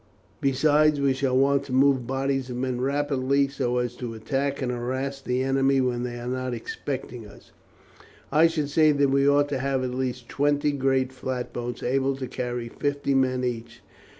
Besides, we shall want to move bodies of men rapidly so as to attack and harass the enemy when they are not expecting us. "I should say that we ought to have at least twenty great flatboats able to carry fifty men each.